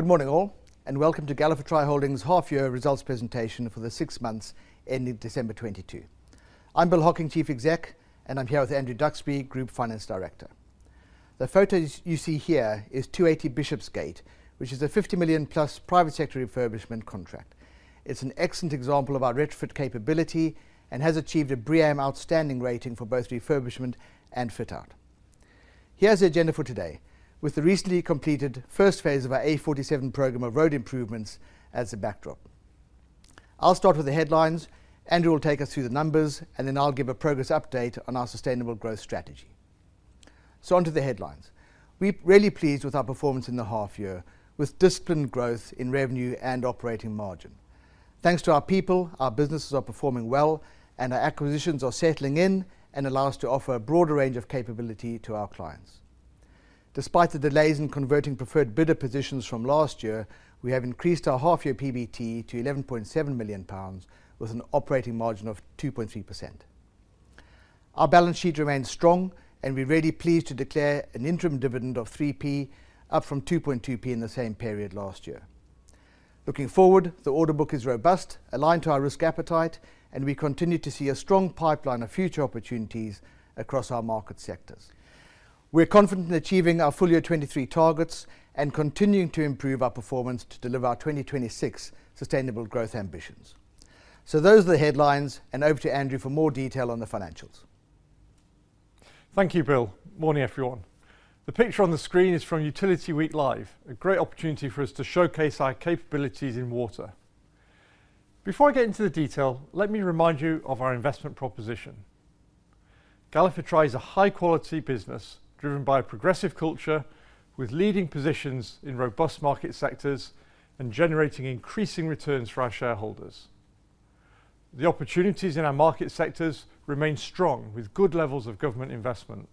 Good morning all, welcome to Galliford Try Holdings' Half Year Results Presentation for the six months ending December 2022. I'm Bill Hocking, Chief Exec, and I'm here with Andrew Duxbury, Group Finance Director. The photos you see here is 280 Bishopsgate, which is a 50 million-plus private sector refurbishment contract. It's an excellent example of our retrofit capability and has achieved a BREEAM outstanding rating for both refurbishment and fit-out. Here's the agenda for today. With the recently completed phase I of our A47 program of road improvements as a backdrop. I'll start with the headlines, Andrew will take us through the numbers, and then I'll give a progress update on our sustainable growth strategy. Onto the headlines. We're really pleased with our performance in the half year with disciplined growth in revenue and operating margin. Thanks to our people, our businesses are performing well. Our acquisitions are settling in and allow us to offer a broader range of capability to our clients. Despite the delays in converting preferred bidder positions from last year, we have increased our half-year PBT to 11.7 million pounds with an operating margin of 2.3%. Our balance sheet remains strong. We're really pleased to declare an interim dividend of 3p, up from 2.2p in the same period last year. Looking forward, the order book is robust, aligned to our risk appetite. We continue to see a strong pipeline of future opportunities across our market sectors. We're confident in achieving our FY 2023 targets and continuing to improve our performance to deliver our FY 2026 sustainable growth ambitions. Those are the headlines, and over to Andrew for more detail on the financials. Thank you, Bill. Morning, everyone. The picture on the screen is from Utility Week Live, a great opportunity for us to showcase our capabilities in water. Before I get into the detail, let me remind you of our investment proposition. Galliford Try is a high-quality business driven by a progressive culture with leading positions in robust market sectors and generating increasing returns for our shareholders. The opportunities in our market sectors remain strong with good levels of government investment.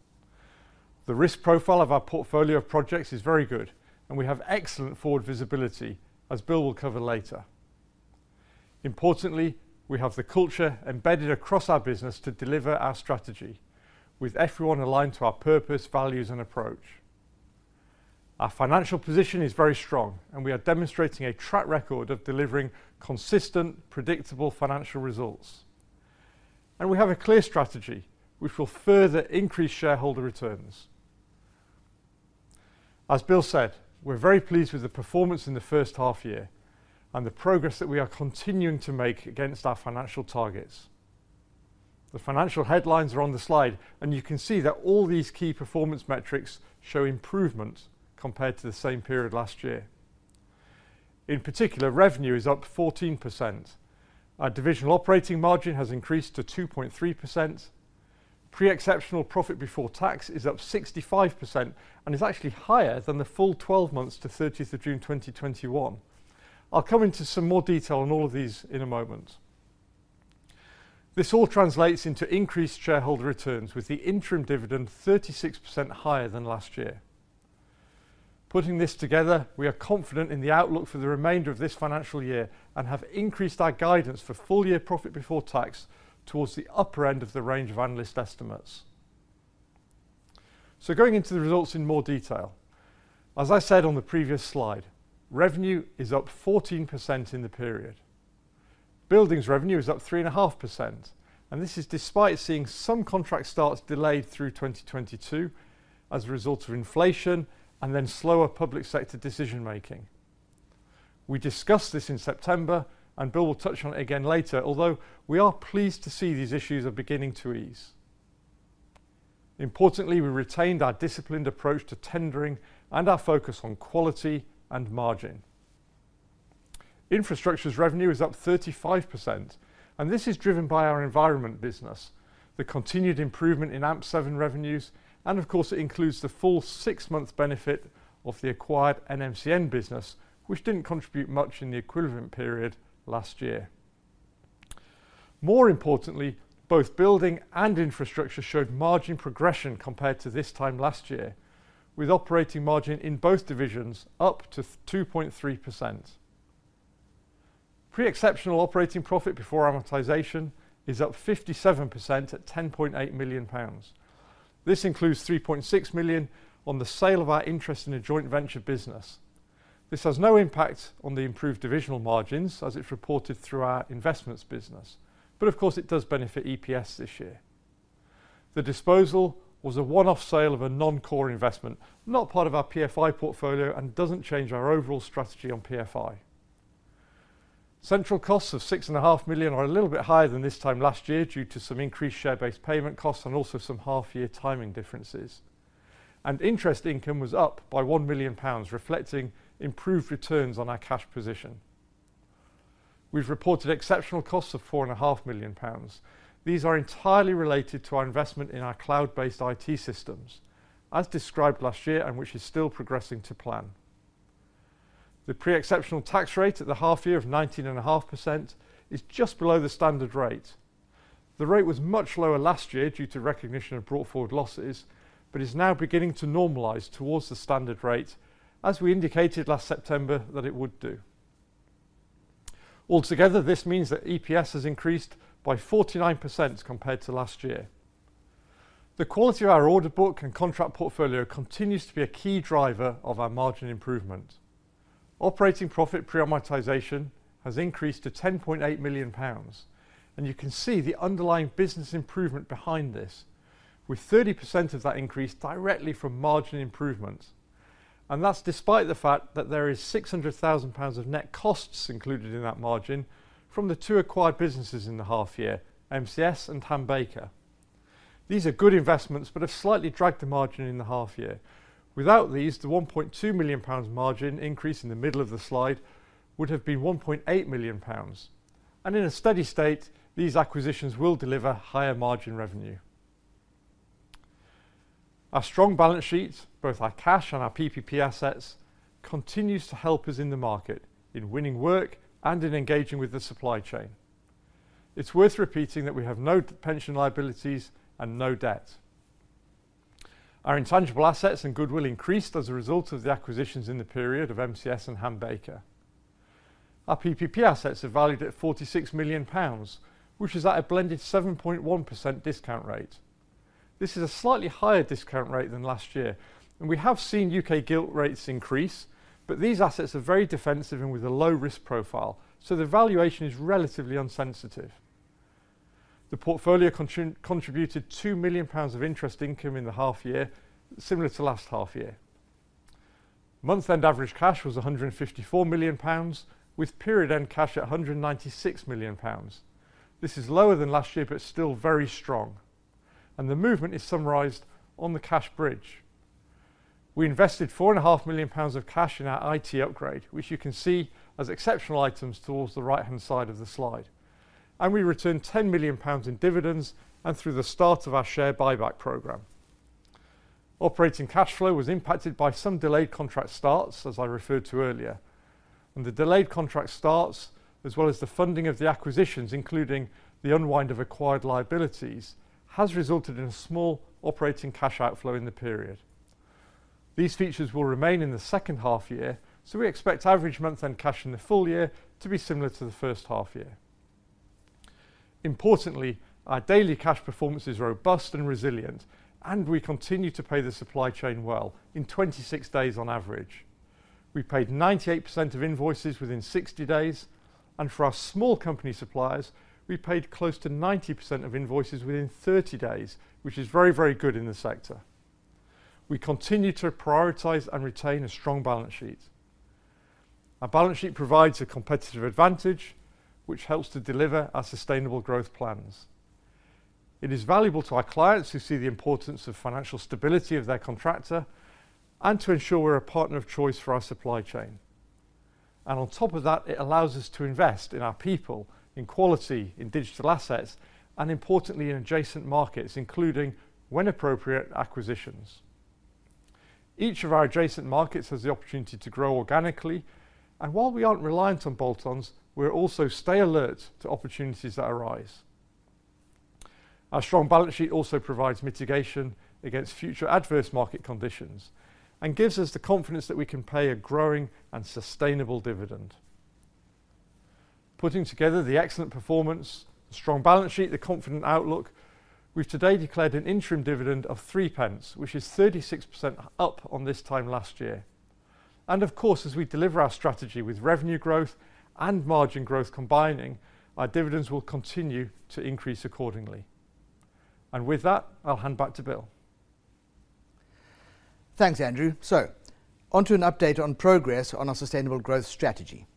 The risk profile of our portfolio of projects is very good, and we have excellent forward visibility, as Bill will cover later. Importantly, we have the culture embedded across our business to deliver our strategy with everyone aligned to our purpose, values, and approach. Our financial position is very strong, and we are demonstrating a track record of delivering consistent, predictable financial results. We have a clear strategy which will further increase shareholder returns. As Bill said, we're very pleased with the performance in the H1 year and the progress that we are continuing to make against our financial targets. The financial headlines are on the slide, and you can see that all these key performance metrics show improvement compared to the same period last year. In particular, revenue is up 14%. Our divisional operating margin has increased to 2.3%. Pre-exceptional profit before tax is up 65% and is actually higher than the full 12 months to 30th of June 2021. I'll come into some more detail on all of these in a moment. This all translates into increased shareholder returns with the interim dividend 36% higher than last year. Putting this together, we are confident in the outlook for the remainder of this financial year and have increased our guidance for full year profit before tax towards the upper end of the range of analyst estimates. Going into the results in more detail. As I said on the previous slide, revenue is up 14% in the period. Buildings revenue is up 3.5%, and this is despite seeing some contract starts delayed through 2022 as a result of inflation and then slower public sector decision making. We discussed this in September, and Bill will touch on it again later, although we are pleased to see these issues are beginning to ease. Importantly, we retained our disciplined approach to tendering and our focus on quality and margin. Infrastructure's revenue is up 35%, and this is driven by our environment business, the continued improvement in AMP7 revenues, and of course, it includes the full six-month benefit of the acquired nmcn business, which didn't contribute much in the equivalent period last year. More importantly, both building and infrastructure showed margin progression compared to this time last year with operating margin in both divisions up to 2.3%. Pre-exceptional operating profit before amortization is up 57% at 10.8 million pounds. This includes 3.6 million on the sale of our interest in a joint venture business. This has no impact on the improved divisional margins as it's reported through our investments business, but of course, it does benefit EPS this year. The disposal was a one-off sale of a non-core investment, not part of our PFI portfolio and doesn't change our overall strategy on PFI. Central costs of six and a half million are a little bit higher than this time last year due to some increased share-based payment costs and also some half-year timing differences. Interest income was up by 1 million pounds, reflecting improved returns on our cash position. We've reported exceptional costs of four and a half million pounds. These are entirely related to our investment in our cloud-based IT systems, as described last year and which is still progressing to plan. The pre-exceptional tax rate at the half year of 19.5% is just below the standard rate. The rate was much lower last year due to recognition of brought forward losses, but is now beginning to normalize towards the standard rate as we indicated last September that it would do. Altogether, this means that EPS has increased by 49% compared to last year. The quality of our order book and contract portfolio continues to be a key driver of our margin improvement. Operating profit pre-amortization has increased to 10.8 million pounds, and you can see the underlying business improvement behind this, with 30% of that increase directly from margin improvements. That's despite the fact that there is 600,000 pounds of net costs included in that margin from the two acquired businesses in the half year, MCS and Ham Baker. These are good investments, but have slightly dragged the margin in the half year. Without these, the 1.2 million pounds margin increase in the middle of the slide would have been 1.8 million pounds. In a steady state, these acquisitions will deliver higher margin revenue. Our strong balance sheet, both our cash and our PPP assets, continues to help us in the market in winning work and in engaging with the supply chain. It's worth repeating that we have no pension liabilities and no debt. Our intangible assets and goodwill increased as a result of the acquisitions in the period of MCS and Ham Baker. Our PPP assets are valued at 46 million pounds, which is at a blended 7.1% discount rate. This is a slightly higher discount rate than last year. We have seen U.K. gilt rates increase. These assets are very defensive and with a low risk profile, the valuation is relatively insensitive. The portfolio contributed 2 million pounds of interest income in the half year, similar to last half year. Month-end average cash was 154 million pounds, with period-end cash at 196 million pounds. This is lower than last year, still very strong. The movement is summarized on the cash bridge. We invested 4.5 million pounds of cash in our IT upgrade, which you can see as exceptional items towards the right-hand side of the slide. We returned 10 million pounds in dividends and through the start of our share buyback program. Operating cash flow was impacted by some delayed contract starts, as I referred to earlier. The delayed contract starts, as well as the funding of the acquisitions, including the unwind of acquired liabilities, has resulted in a small operating cash outflow in the period. These features will remain in the H2 year, so we expect average month-end cash in the full year to be similar to the H1 year. Importantly, our daily cash performance is robust and resilient, and we continue to pay the supply chain well in 26 days on average. We paid 98% of invoices within 60 days, and for our small company suppliers, we paid close to 90% of invoices within 30 days, which is very, very good in the sector. We continue to prioritize and retain a strong balance sheet. Our balance sheet provides a competitive advantage, which helps to deliver our sustainable growth plans. It is valuable to our clients who see the importance of financial stability of their contractor and to ensure we're a partner of choice for our supply chain. On top of that, it allows us to invest in our people, in quality, in digital assets, and importantly, in adjacent markets, including, when appropriate, acquisitions. Each of our adjacent markets has the opportunity to grow organically, and while we aren't reliant on bolt-ons, we're also stay alert to opportunities that arise. Our strong balance sheet also provides mitigation against future adverse market conditions and gives us the confidence that we can pay a growing and sustainable dividend. Putting together the excellent performance, strong balance sheet, the confident outlook, we've today declared an interim dividend of 0.03, which is 36% up on this time last year. Of course, as we deliver our strategy with revenue growth and margin growth combining, our dividends will continue to increase accordingly. With that, I'll hand back to Bill. Thanks, Andrew. Onto an update on progress on our sustainable growth strategy.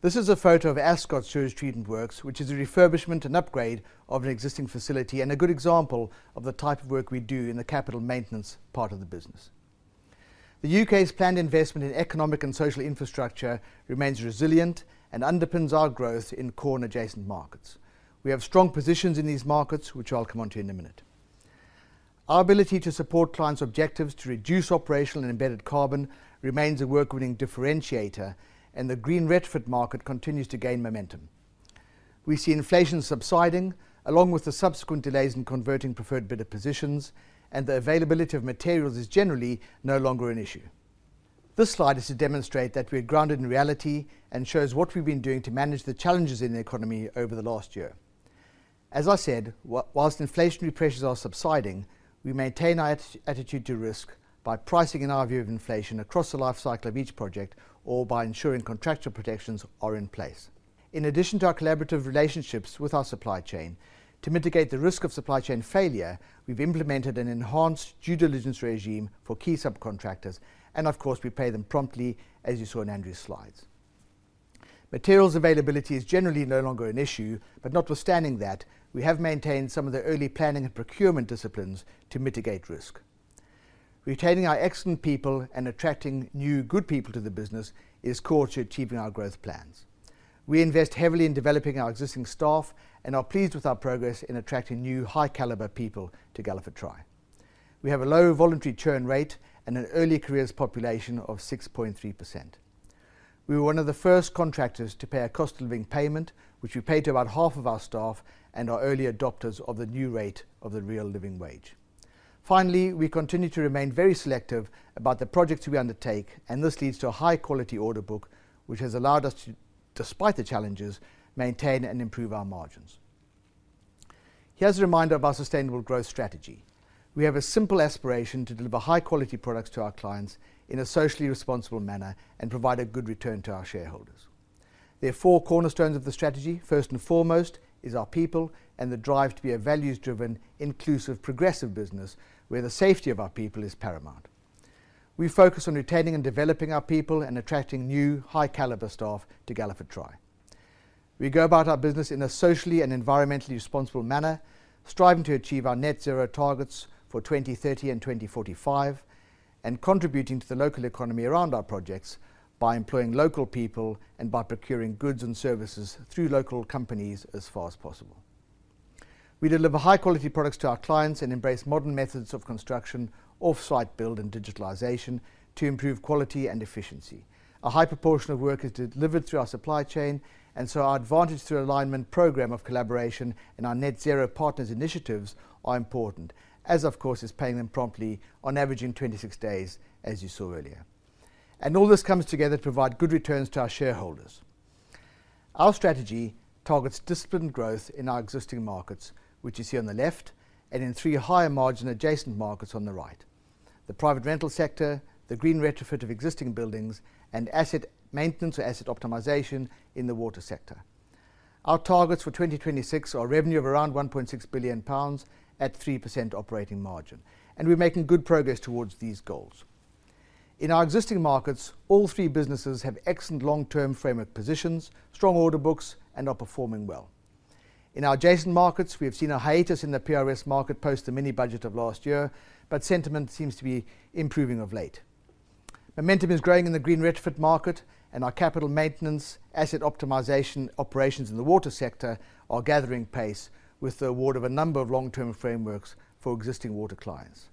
This is a photo of Ascot Sewage Treatment Works, which is a refurbishment and upgrade of an existing facility and a good example of the type of work we do in the capital maintenance part of the business. The U.K.'s planned investment in economic and social infrastructure remains resilient and underpins our growth in core and adjacent markets. We have strong positions in these markets, which I'll come onto in a minute. Our ability to support clients' objectives to reduce operational and embedded carbon remains a work winning differentiator, and the green retrofit market continues to gain momentum. We see inflation subsiding along with the subsequent delays in converting preferred bidder positions, and the availability of materials is generally no longer an issue. This slide is to demonstrate that we're grounded in reality and shows what we've been doing to manage the challenges in the economy over the last year. As I said, whilst inflationary pressures are subsiding, we maintain our attitude to risk by pricing in our view of inflation across the life cycle of each project or by ensuring contractual protections are in place. In addition to our collaborative relationships with our supply chain, to mitigate the risk of supply chain failure, we've implemented an enhanced due diligence regime for key subcontractors, and of course, we pay them promptly, as you saw in Andrew's slides. Materials availability is generally no longer an issue, but notwithstanding that, we have maintained some of the early planning and procurement disciplines to mitigate risk. Retaining our excellent people and attracting new good people to the business is core to achieving our growth plans. We invest heavily in developing our existing staff and are pleased with our progress in attracting new high caliber people to Galliford Try. We have a low voluntary churn rate and an early careers population of 6.3%. We were one of the first contractors to pay a cost of living payment, which we pay to about half of our staff and are early adopters of the new rate of the real living wage. We continue to remain very selective about the projects we undertake, and this leads to a high quality order book which has allowed us to, despite the challenges, maintain and improve our margins. Here's a reminder of our sustainable growth strategy. We have a simple aspiration to deliver high quality products to our clients in a socially responsible manner and provide a good return to our shareholders. There are four cornerstones of the strategy. First and foremost is our people and the drive to be a values-driven, inclusive, progressive business where the safety of our people is paramount. We focus on retaining and developing our people and attracting new high caliber staff to Galliford Try. We go about our business in a socially and environmentally responsible manner, striving to achieve our net zero targets for 2030 and 2045, and contributing to the local economy around our projects by employing local people and by procuring goods and services through local companies as far as possible. We deliver high quality products to our clients and embrace modern methods of construction, offsite build and digitalization to improve quality and efficiency. A high proportion of work is delivered through our supply chain, and so our Advantage through Alignment program of collaboration and our Net Zero Partners initiatives are important, as of course is paying them promptly on average in 26 days, as you saw earlier. All this comes together to provide good returns to our shareholders. Our strategy targets disciplined growth in our existing markets, which you see on the left, and in three higher margin adjacent markets on the right: the private rental sector, the green retrofit of existing buildings and asset maintenance or asset optimization in the water sector. Our targets for 2026 are revenue of around 1.6 billion pounds at 3% operating margin, and we're making good progress towards these goals. In our existing markets, all three businesses have excellent long-term frame of positions, strong order books and are performing well. In our adjacent markets, we have seen a hiatus in the PRS market post the mini budget of last year. Sentiment seems to be improving of late. Momentum is growing in the green retrofit market and our capital maintenance asset optimization operations in the water sector are gathering pace with the award of a number of long-term frameworks for existing water clients.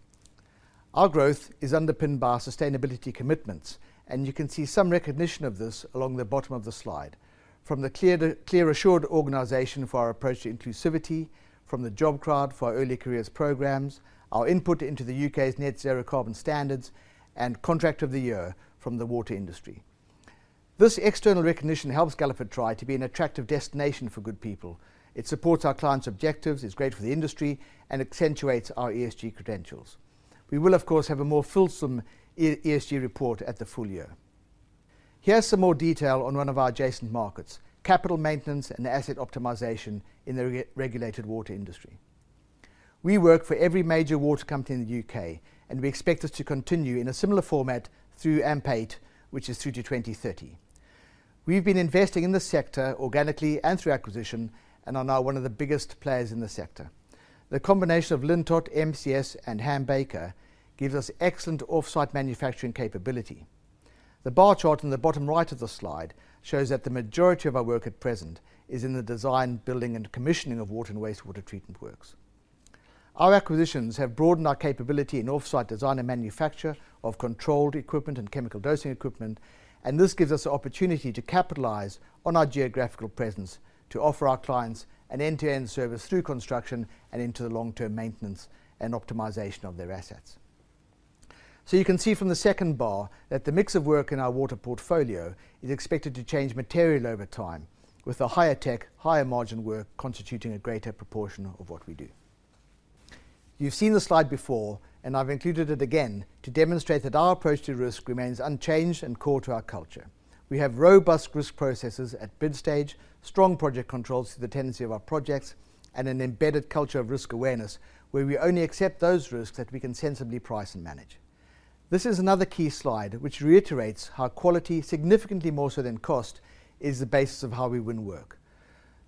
Our growth is underpinned by our sustainability commitments. You can see some recognition of this along the bottom of the slide. From the Clear Assured organization for our approach to inclusivity, from TheJobCrowd for our early careers programs, our input into the U.K.'s net zero carbon standards and contract of the year from the water industry. This external recognition helps Galliford Try to be an attractive destination for good people. It supports our clients' objectives, it's great for the industry and accentuates our ESG credentials. We will of course have a more fulsome ESG report at the full year. Here's some more detail on one of our adjacent markets, capital maintenance and asset optimization in the re-regulated water industry. We work for every major water company in the U.K. We expect this to continue in a similar format through AMP8, which is through to 2030. We've been investing in this sector organically and through acquisition and are now one of the biggest players in the sector. The combination of Lintott, MCS and Ham Baker gives us excellent off-site manufacturing capability. The bar chart in the bottom right of the slide shows that the majority of our work at present is in the design, building and commissioning of water and wastewater treatment works. Our acquisitions have broadened our capability in offsite design and manufacture of controlled equipment and chemical dosing equipment. This gives us the opportunity to capitalize on our geographical presence to offer our clients an end-to-end service through construction and into the long-term maintenance and optimization of their assets. You can see from the second bar that the mix of work in our water portfolio is expected to change material over time with the higher tech, higher margin work constituting a greater proportion of what we do. You've seen this slide before. I've included it again to demonstrate that our approach to risk remains unchanged and core to our culture. We have robust risk processes at bid stage, strong project controls through the tenancy of our projects, and an embedded culture of risk awareness where we only accept those risks that we can sensibly price and manage. This is another key slide which reiterates how quality, significantly more so than cost, is the basis of how we win work.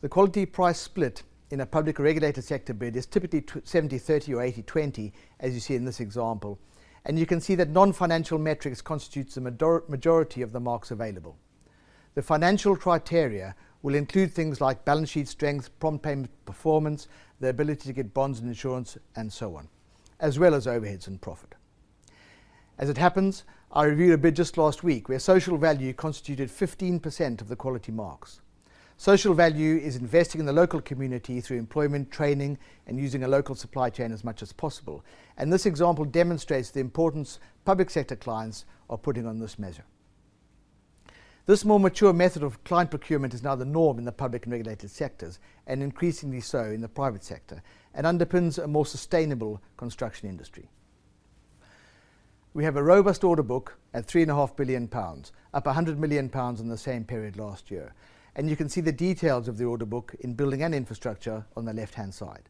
The quality price split in a public regulated sector bid is typically 70/30 or 80/20, as you see in this example. You can see that non-financial metrics constitutes the majority of the marks available. The financial criteria will include things like balance sheet strength, prompt payment performance, the ability to get bonds and insurance and so on, as well as overheads and profit. As it happens, I reviewed a bid just last week where social value constituted 15% of the quality marks. Social value is investing in the local community through employment training and using a local supply chain as much as possible. This example demonstrates the importance public sector clients are putting on this measure. This more mature method of client procurement is now the norm in the public and regulated sectors, increasingly so in the private sector, and underpins a more sustainable construction industry. We have a robust order book at 3.5 billion pounds, up 100 million pounds in the same period last year. You can see the details of the order book in building and infrastructure on the left-hand side.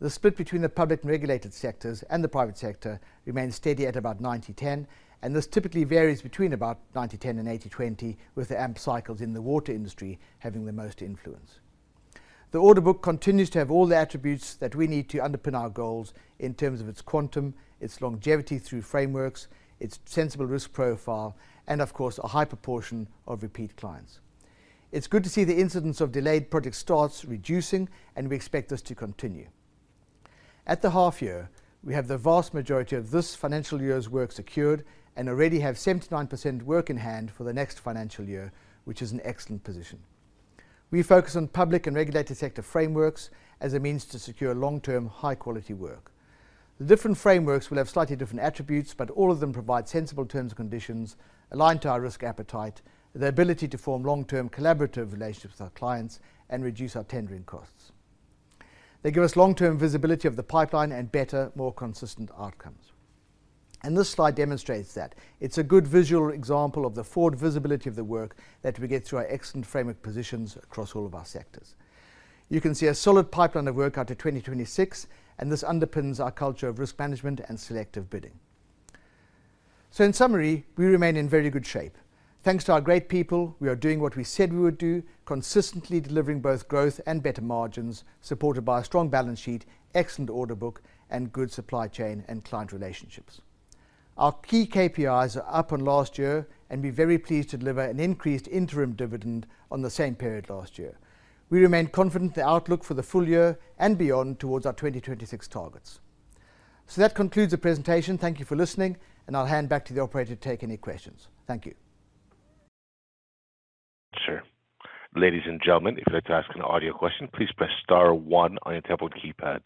The split between the public and regulated sectors and the private sector remains steady at about 90/10. This typically varies between about 90/10 and 80/20 with the AMP cycles in the water industry having the most influence. The order book continues to have all the attributes that we need to underpin our goals in terms of its quantum, its longevity through frameworks, its sensible risk profile and of course, a high proportion of repeat clients. It's good to see the incidence of delayed project starts reducing and we expect this to continue. At the half year, we have the vast majority of this financial year's work secured and already have 79% work in hand for the next financial year, which is an excellent position. We focus on public and regulated sector frameworks as a means to secure long-term, high-quality work. The different frameworks will have slightly different attributes, but all of them provide sensible terms and conditions aligned to our risk appetite, the ability to form long-term collaborative relationships with our clients and reduce our tendering costs. They give us long-term visibility of the pipeline and better, more consistent outcomes. This slide demonstrates that. It's a good visual example of the forward visibility of the work that we get through our excellent framework positions across all of our sectors. You can see a solid pipeline of work out to 2026, and this underpins our culture of risk management and selective bidding. In summary, we remain in very good shape. Thanks to our great people, we are doing what we said we would do, consistently delivering both growth and better margins, supported by a strong balance sheet, excellent order book, and good supply chain and client relationships. Our key KPIs are up on last year, and we're very pleased to deliver an increased interim dividend on the same period last year. We remain confident in the outlook for the full year and beyond towards our 2026 targets. That concludes the presentation. Thank you for listening, and I'll hand back to the operator to take any questions. Thank you. Sure. Ladies and gentlemen, if you'd like to ask an audio question, please press star one on your telephone keypad.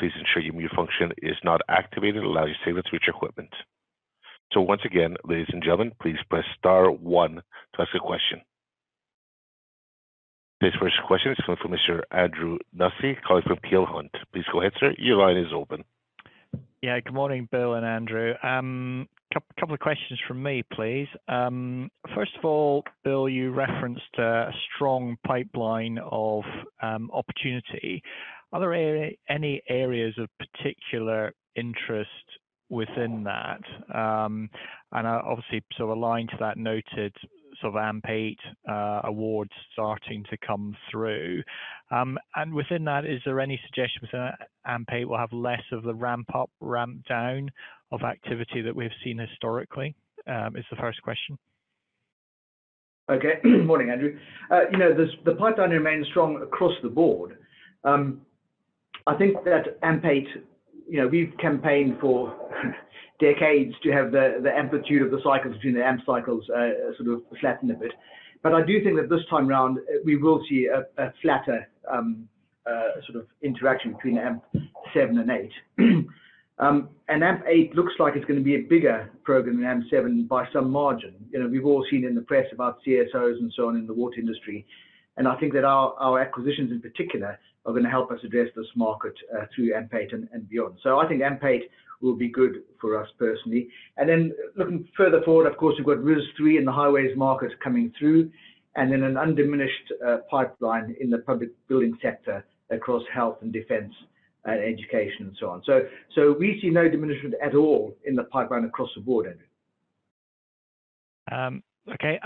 Please ensure your mute function is not activated to allow your statement through to your equipment. Once again, ladies and gentlemen, please press star one to ask a question. This first question is coming from Mr. Andrew Nussey, calling from Peel Hunt. Please go ahead, sir. Your line is open. Good morning, Bill and Andrew. Couple of questions from me, please. First of all, Bill, you referenced a strong pipeline of opportunity. Are there any areas of particular interest within that? Obviously aligned to that noted sort of AMP8 awards starting to come through. Within that, is there any suggestion within that AMP8 will have less of the ramp up, ramp down of activity that we've seen historically? Is the first question. Okay. Morning, Andrew. you know, the pipeline remains strong across the board. I think that AMP8, you know, we've campaigned for decades to have the amplitude of the cycles between the AMP cycles, sort of flatten a bit. I do think that this time round, we will see a flatter, sort of interaction between AMP7 and AMP8. AMP8 looks like it's gonna be a bigger program than AMP7 by some margin. You know, we've all seen in the press about CSOs and so on in the water industry. I think that our acquisitions in particular are gonna help us address this market through AMP8 and beyond. I think AMP8 will be good for us personally. Looking further forward, of course, we've got RIS3 in the highways market coming through and then an undiminished pipeline in the public building sector across health and defense and education and so on. We see no diminishment at all in the pipeline across the board, Andrew. Okay.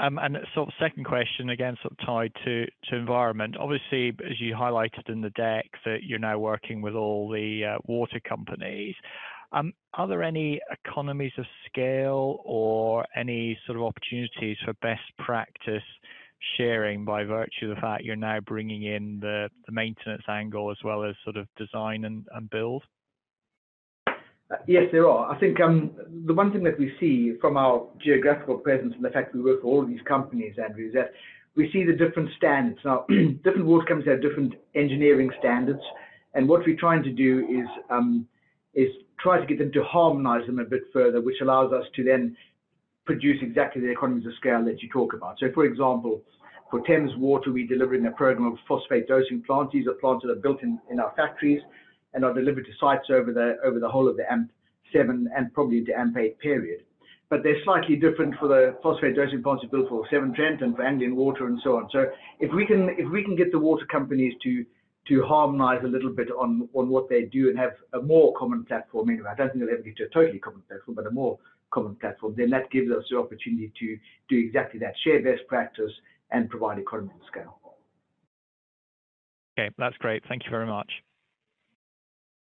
Sort of second question, again, sort of tied to environment. Obviously, as you highlighted in the deck, that you're now working with all the water companies. Are there any economies of scale or any sort of opportunities for best practice sharing by virtue of the fact you're now bringing in the maintenance angle as well as sort of design and build? Yes, there are. I think the one thing that we see from our geographical presence and the fact that we work for all of these companies, Andrew, is that we see the different standards. Different water companies have different engineering standards, and what we're trying to do is try to get them to harmonize them a bit further, which allows us to then produce exactly the economies of scale that you talk about. For example, for Thames Water, we deliver in a program of phosphate dosing plants. These are plants that are built in our factories and are delivered to sites over the whole of the AMP7 and probably into AMP8 period. They're slightly different for the phosphate dosing plants we built for Severn Trent and for Anglian Water and so on. If we can get the water companies to harmonize a little bit on what they do and have a more common platform anyway, I don't think it'll ever be to a totally common platform, but a more common platform, that gives us the opportunity to do exactly that, share best practice and provide economy of scale. Okay. That's great. Thank you very much.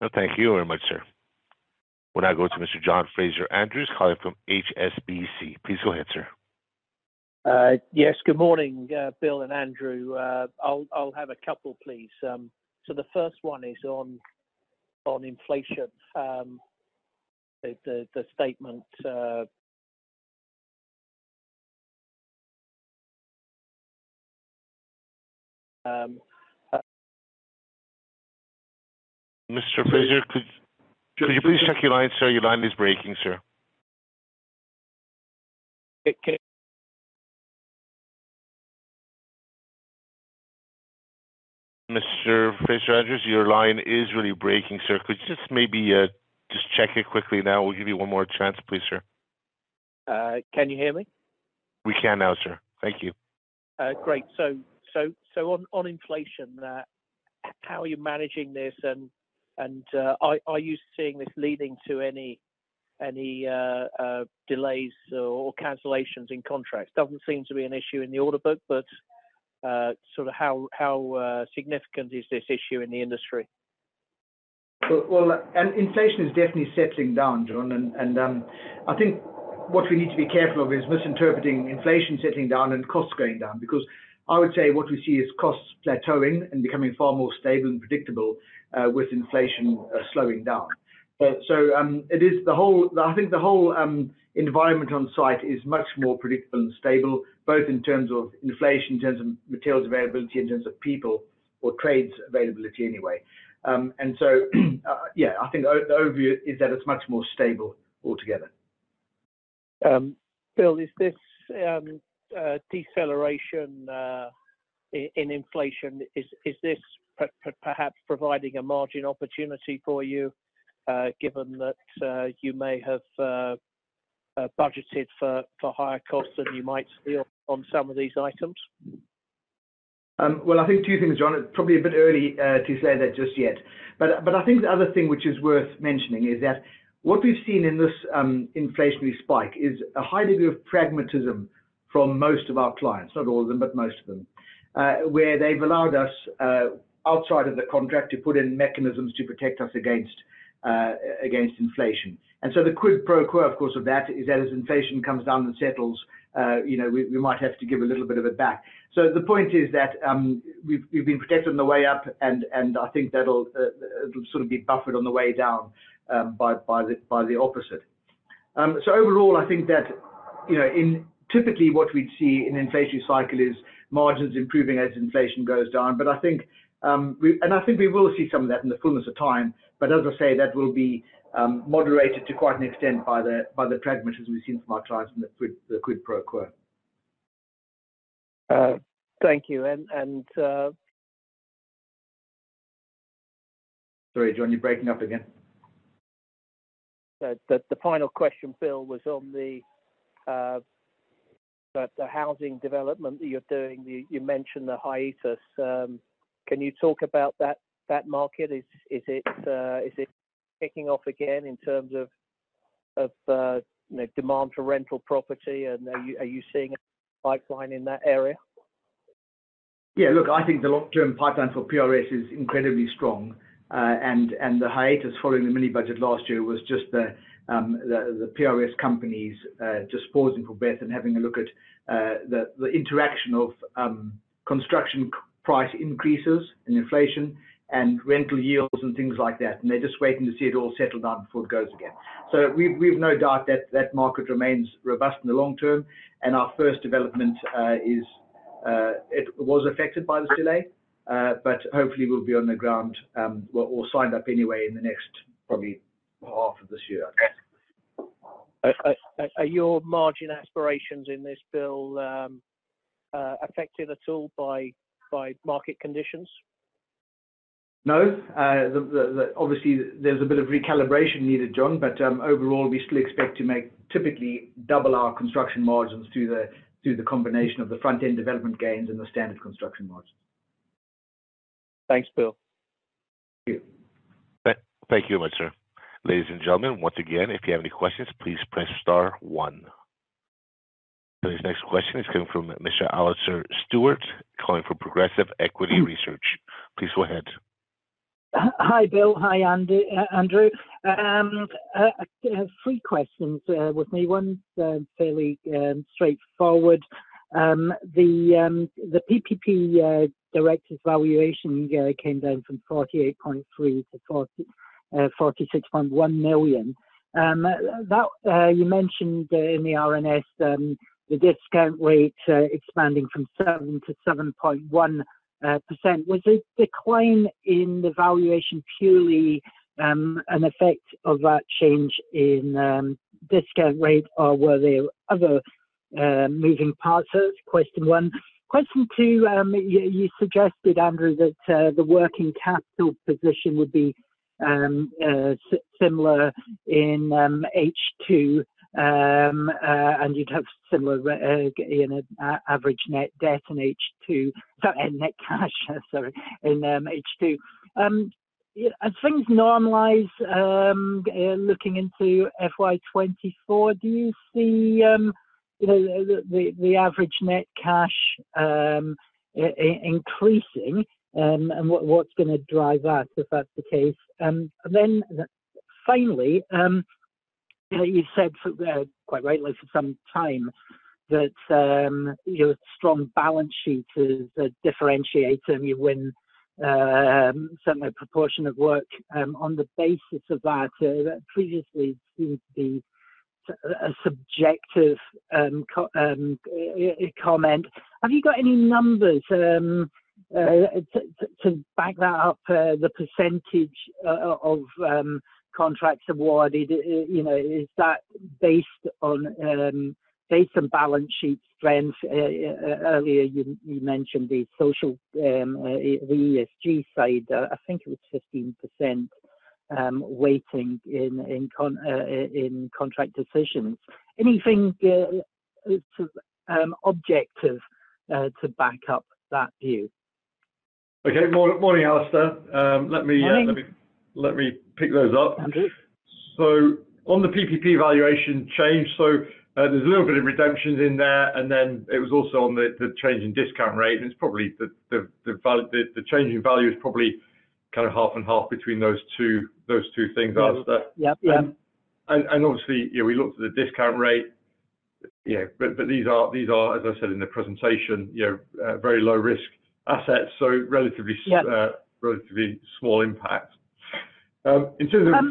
No, thank you very much, sir. We'll now go to Mr. John Fraser-Andrews calling from HSBC. Please go ahead, sir. yes. Good morning, Bill and Andrew. I'll have a couple, please. The first one is on inflation. The statement... Mr. Fraser, could you please check your line, sir? Your line is breaking, sir. It ca- Mr. Fraser-Andrews, your line is really breaking, sir. Could you just maybe, just check it quickly now? We'll give you one more chance, please, sir. Can you hear me? We can now, sir. Thank you. Great. On inflation, how are you managing this and are you seeing this leading to any delays or cancellations in contracts? Doesn't seem to be an issue in the order book, but sort of how significant is this issue in the industry? Well, inflation is definitely settling down, John. I think what we need to be careful of is misinterpreting inflation settling down and costs going down, because I would say what we see is costs plateauing and becoming far more stable and predictable, with inflation slowing down. So, it is the whole, I think the whole environment on site is much more predictable and stable, both in terms of inflation, in terms of materials availability, in terms of people or trades availability anyway. So, yeah, I think the overview is that it's much more stable altogether. Bill, is this deceleration, in inflation, is this perhaps providing a margin opportunity for you, given that, you may have, budgeted for higher costs than you might see on some of these items? Well, I think two things, John. It's probably a bit early to say that just yet. I think the other thing which is worth mentioning is that what we've seen in this inflationary spike is a high degree of pragmatism from most of our clients, not all of them, but most of them, where they've allowed us outside of the contract to put in mechanisms to protect us against inflation. The quid pro quo of course of that is that as inflation comes down and settles, you know, we might have to give a little bit of it back. The point is that we've been protected on the way up, and I think that'll sort of be buffered on the way down by the opposite. Overall, I think that, you know, typically what we'd see in an inflation cycle is margins improving as inflation goes down. I think we will see some of that in the fullness of time. As I say, that will be moderated to quite an extent by the pragmatism we've seen from our clients and the quid pro quo. Thank you. Sorry, John, you're breaking up again. The final question, Bill, was on the housing development that you're doing. You mentioned the hiatus. Can you talk about that market? Is it kicking off again in terms of, you know, demand for rental property? Are you seeing a pipeline in that area? Yeah. Look, I think the long-term pipeline for PRS is incredibly strong. The hiatus following the mini budget last year was just the PRS companies just pausing for breath and having a look at the interaction of construction price increases and inflation and rental yields and things like that. They're just waiting to see it all settled down before it goes again. We've, we've no doubt that that market remains robust in the long term. Our first development is it was affected by this delay, but hopefully we'll be on the ground, or signed up anyway in the next probably half of this year, I guess. Are your margin aspirations in this, Bill, affected at all by market conditions? No. Obviously there's a bit of recalibration needed, John, but, overall, we still expect to make typically double our construction margins through the, through the combination of the front-end development gains and the standard construction margins. Thanks, Bill. Thank you. Thank you much, sir. Ladies and gentlemen, once again, if you have any questions, please press star one. This next question is coming from Mr. Alastair Stewart, calling from Progressive Equity Research. Please go ahead. Hi, Bill. Hi, Andrew. I have three questions with me. One's fairly straightforward. The PPP directors valuation came down from 48.3 million to 46.1 million. That you mentioned in the RNS, the discount rate expanding from 7% to 7.1%. Was the decline in the valuation purely an effect of that change in discount rate, or were there other moving parts? That's question one. Question two, you suggested, Andrew, that the working capital position would be similar in H2, and you'd have similar, you know, average net debt in H2, sorry, net cash, sorry, in H2. As things normalize, looking into FY 2024, do you see the average net cash increasing? What's gonna drive that if that's the case? Finally, you've said for quite rightly for some time that your strong balance sheet is a differentiator, and you win certainly a proportion of work on the basis of that. Previously, it seemed to be a subjective comment. Have you got any numbers to back that up, the % of contracts awarded? Is that based on balance sheet strength? Earlier, you mentioned the social, the ESG side, I think it was 15% weighting in contract decisions. Anything, objective, to back up that view? Okay. Morning, Alastair. Morning. Let me pick those up. Andrew. On the PPP valuation change, so, there's a little bit of redemptions in there, and then it was also on the change in discount rate, and it's probably the change in value is probably kind of half and half between those two, those two things, Alastair. Mm-hmm. Yep. Yep. Obviously, you know, we looked at the discount rate. Yeah, these are, as I said in the presentation, you know, very low risk assets, so relatively. Yeah relatively small impact.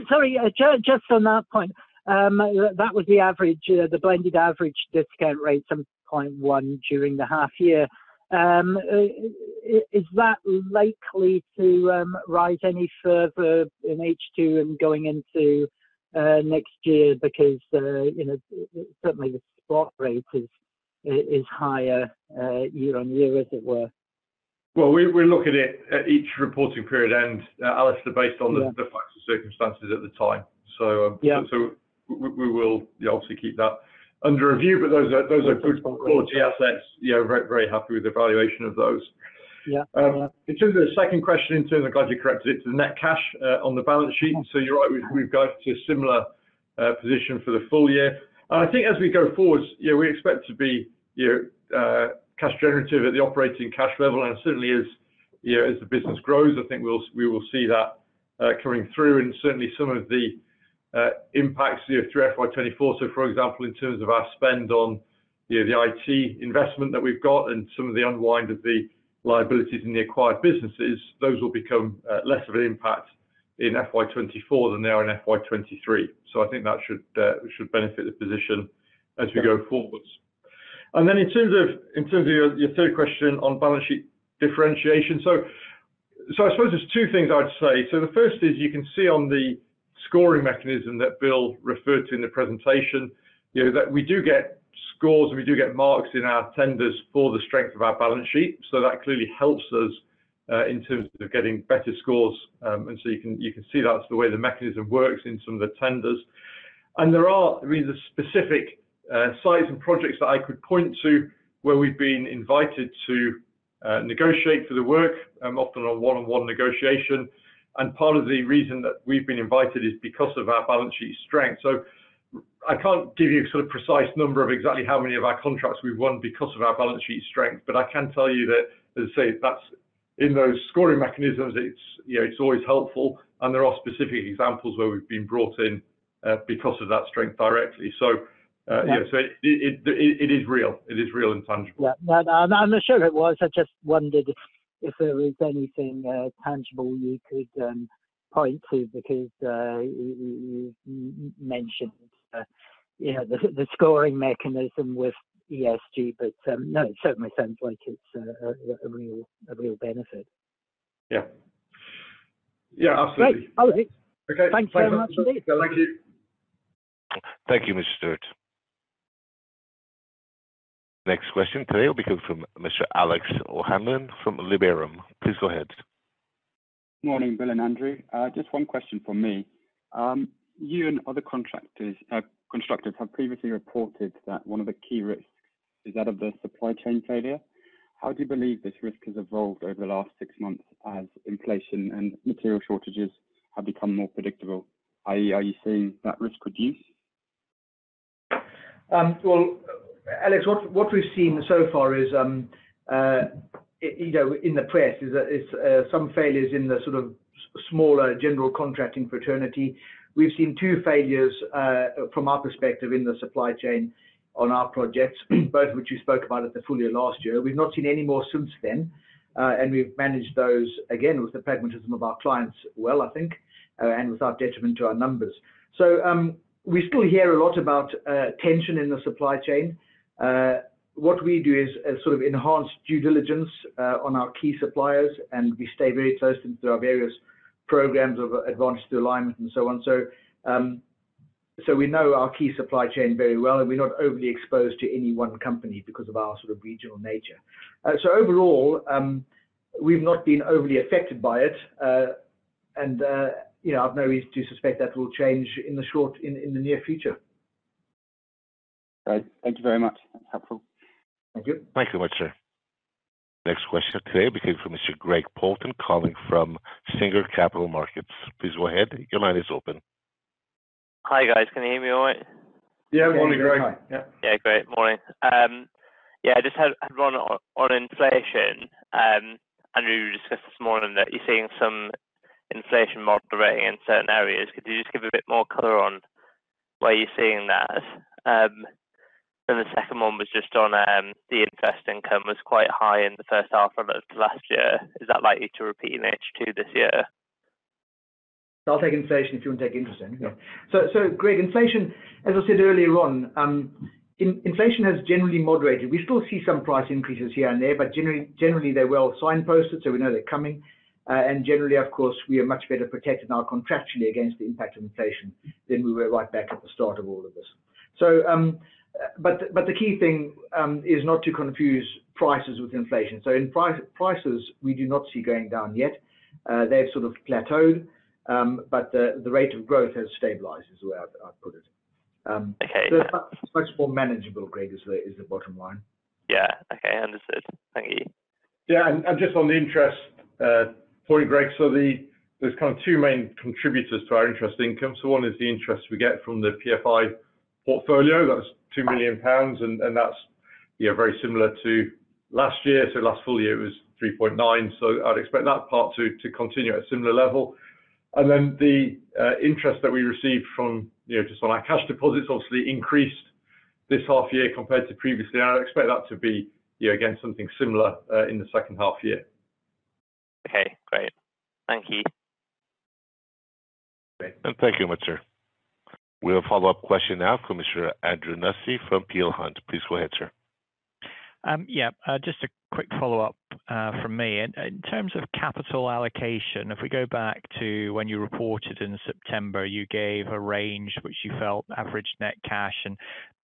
Sorry, just on that point. That was the average, the blended average discount rate, 7.1, during the half-year. Is that likely to rise any further in H2 and going into next year because, you know, certainly the spot rate is higher year-on-year as it were? Well, we look at it at each reporting period end, Alastair. Yeah... the facts and circumstances at the time. Yeah We will, yeah, obviously keep that under review, but those are good quality assets. Very happy with the valuation of those. Yeah. Yeah. In terms of the second question, in terms of I'm glad you corrected it to the net cash on the balance sheet. You're right, we've got to a similar position for the full year. I think as we go forward, yeah, we expect to be, you know, cash generative at the operating cash level. Certainly as, you know, as the business grows, I think we'll see that coming through and certainly some of the impacts, you know, through FY 2024. For example, in terms of our spend on, you know, the IT investment that we've got and some of the unwind of the liabilities in the acquired businesses, those will become less of an impact in FY 2024 than they are in FY 2023. I think that should benefit the position as we go forwards. In terms of your third question on balance sheet differentiation. I suppose there's two things I'd say. The first is you can see on the scoring mechanism that Bill referred to in the presentation, you know, that we do get scores and we do get marks in our tenders for the strength of our balance sheet. That clearly helps us in terms of getting better scores. You can see that's the way the mechanism works in some of the tenders. There are, I mean, there's specific sites and projects that I could point to where we've been invited to negotiate for the work, often a one-on-one negotiation. Part of the reason that we've been invited is because of our balance sheet strength. I can't give you a sort of precise number of exactly how many of our contracts we've won because of our balance sheet strength, but I can tell you that, as I say, that's in those scoring mechanisms. It's, you know, it's always helpful, and there are specific examples where we've been brought in because of that strength directly. Yeah. It is real. It is real and tangible. Yeah. No, no, I'm assured it was. I just wondered if there is anything tangible you could point to because you mentioned, you know, the scoring mechanism with ESG. No, it certainly sounds like it's a real benefit. Yeah. Yeah, absolutely. Great. That was it. Okay. Thanks very much indeed. Thank you. Thank you, Mr. Stewart. Next question today will be coming from Mr. Alex O'Hanlon from Liberum. Please go ahead. Morning, Bill and Andrew. Just one question from me. You and other contractors, constructors have previously reported that one of the key risks is that of the supply chain failure. How do you believe this risk has evolved over the last six months as inflation and material shortages have become more predictable? i.e. are you seeing that risk reduce? Well, Alex, what we've seen so far is in the press is some failures in the sort of smaller general contracting fraternity. We've seen two failures from our perspective in the supply chain on our projects, both which we spoke about at the full year last year. We've not seen any more since then, and we've managed those, again, with the pragmatism of our clients well, I think, and without detriment to our numbers. We still hear a lot about tension in the supply chain. What we do is a sort of enhanced due diligence on our key suppliers, and we stay very close through our various programs of Advantage Alignment and so on. We know our key supply chain very well, and we're not overly exposed to any one company because of our sort of regional nature. Overall, we've not been overly affected by it. You know, I've no reason to suspect that will change in the near future. Great. Thank you very much. That's helpful. Thank you. Thank you very much, sir. Next question today will be coming from Mr. Greg Poulton coming from Singer Capital Markets. Please go ahead. Your line is open. Hi, guys. Can you hear me all right? Yeah, morning, Greg. Great. Morning. Just had one on inflation. Andrew, you discussed this morning that you're seeing some inflation moderating in certain areas. Could you just give a bit more color on where you're seeing that? Then the second one was just on the interest income was quite high in the H1 of last year. Is that likely to repeat in H2 this year? I'll take inflation if you want to take interest then. Yeah. Greg, inflation, as I said earlier on, inflation has generally moderated. We still see some price increases here and there, but generally, they're well signposted, so we know they're coming. Generally, of course, we are much better protected now contractually against the impact of inflation than we were right back at the start of all of this. But the key thing is not to confuse prices with inflation. In prices, we do not see going down yet. They've sort of plateaued, but the rate of growth has stabilized is the way I'd put it. Okay. It's much more manageable, Greg, is the bottom line. Yeah. Okay. Understood. Thank you. Yeah. Just on the interest point, Greg, there's kind of two main contributors to our interest income. One is the interest we get from the PFI portfolio. That's 2 million pounds, and that's, you know, very similar to last year. Last full year, it was 3.9 million. I'd expect that part to continue at a similar level. Then the interest that we received from, you know, just on our cash deposits obviously increased this half year compared to previously. I'd expect that to be, you know, again, something similar in the H2 year. Okay. Great. Thank you. Great. Thank you much, sir. We have a follow-up question now from Mr. Andrew Nussey from Peel Hunt. Please go ahead, sir. Yeah. Just a quick follow-up from me. In terms of capital allocation, if we go back to when you reported in September, you gave a range which you felt average net cash and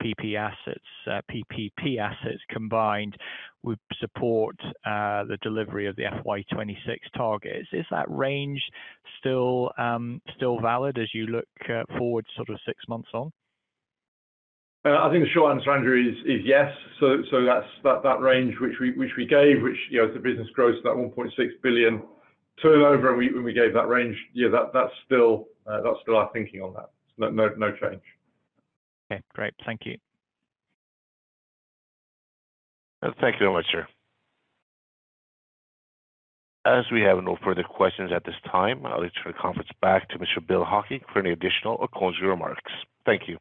PPP assets, PPP assets combined would support the delivery of the FY 2026 target. Is that range still valid as you look forward sort of six months on? I think the short answer, Andrew, is yes. That range which we, which we gave, which, you know, as the business grows to that 1.6 billion turnover when we gave that range, that's still our thinking on that. No, no change. Okay. Great. Thank you. Thank you very much, sir. As we have no further questions at this time, I'll turn the conference back to Mr. Bill Hocking for any additional or closing remarks. Thank you.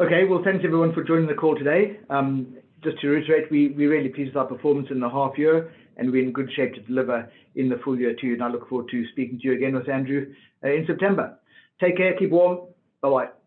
Okay. Well, thanks everyone for joining the call today. Just to reiterate, we're really pleased with our performance in the half year, and we're in good shape to deliver in the full year too. I look forward to speaking to you again with Andrew in September. Take care. Keep warm. Bye-bye.